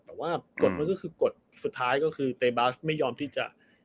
แต่ว่ากฎมันก็คือกฎสุดท้ายก็คือเตบาสไม่ยอมที่จะ